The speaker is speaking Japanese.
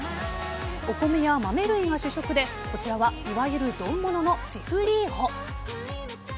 お米や豆類が主食でこちらはいわゆる丼もののチフリーホ。